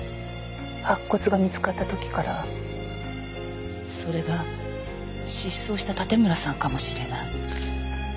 白骨が見つかった時からそれが失踪した盾村さんかもしれない。